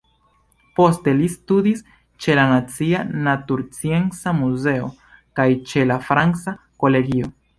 Poste, li studis ĉe la Nacia Naturscienca Muzeo kaj ĉe la Franca Kolegio.